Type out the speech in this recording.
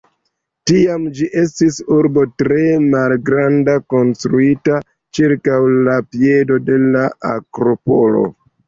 Tiame ĝi estis urbo tre malgranda konstruita ĉirkaŭ la piedo de la Akropolo.